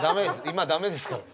今はダメですから。